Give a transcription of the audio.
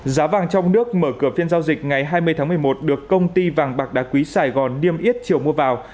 giá vàng trong nước mở cửa phiên giao dịch ngày hai mươi tháng một mươi một được công ty vàng bạc đá quý sài gòn niêm yết chiều mua vào